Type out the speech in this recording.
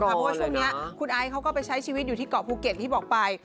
เพราะว่าช่วงนี้คุณไอซ์เขาก็ไปใช้ชีวิตอยู่ที่เกาะภูเก็ตที่บอกไป